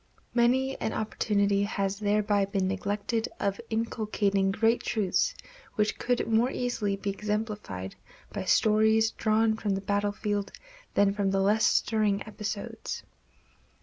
Many an opportunity has thereby been neglected of inculcating great truths which could more easily be exemplified by stories drawn from the battlefield than from less stirring episodes.